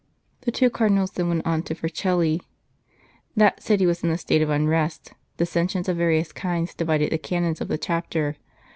The two Cardinals then went on to Vercelli. That city was in a state of unrest ; dissensions of various kinds divided the Canons of the Chapter.